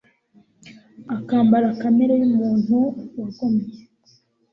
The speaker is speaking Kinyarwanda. akambara kamere y'umuntu wagomye,